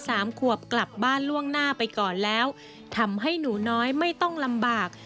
สามขวบกลับบ้านล่วงหน้าไปก่อนแล้วทำให้หนูน้อยไม่ต้องลำบาก